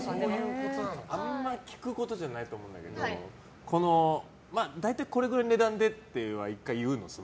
あんまり聞くことじゃないと思うんだけど大体これぐらいの値段って１回言うんです？